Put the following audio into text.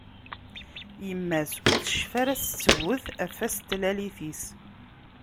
Yemma-s ur tecfi ara s ttbut ɣef wass n tlalit-is.